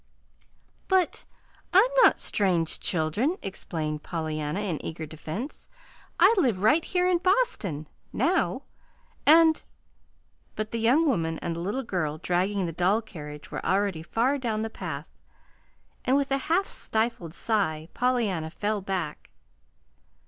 "But I'm not strange children," explained Pollyanna in eager defense. "I live right here in Boston, now, and " But the young woman and the little girl dragging the doll carriage were already far down the path; and with a half stifled sigh Pollyanna fell back.